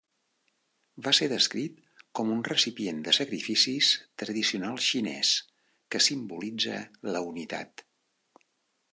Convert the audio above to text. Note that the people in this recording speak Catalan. Va ser descrit com un recipient de sacrificis tradicional xinès que simbolitza la unitat.